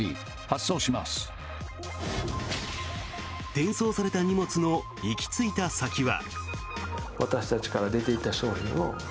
転送された荷物の行き着いた先は。